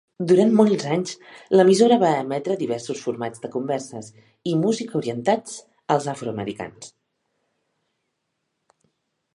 Durant molts anys, l'emissora va emetre diversos formats de converses i música orientats als afroamericans.